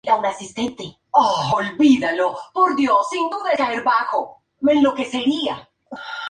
No obstante, las negociaciones fueron lentas.